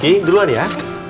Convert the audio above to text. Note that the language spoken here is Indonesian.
kiki duluan ya